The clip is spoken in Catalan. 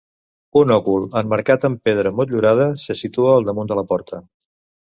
Un òcul emmarcat en pedra motllurada se situa al damunt de la porta.